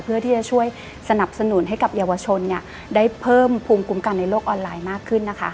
เพื่อที่จะช่วยสนับสนุนให้กับเยาวชนได้เพิ่มภูมิคุ้มกันในโลกออนไลน์มากขึ้นนะคะ